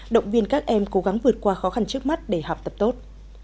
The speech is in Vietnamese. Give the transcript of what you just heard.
động viên các em cố gắng vượt qua khó khăn trước mắt để học tập tốt